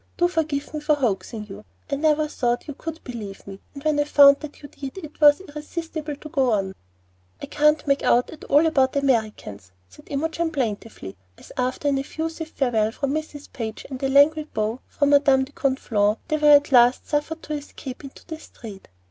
Do forgive me for hoaxing you. I never thought you could believe me, and when I found that you did, it was irresistible to go on." "I can't make out at all about Americans," said Imogen, plaintively, as after an effusive farewell from Mrs. Page and a languid bow from Madame de Conflans they were at last suffered to escape into the street.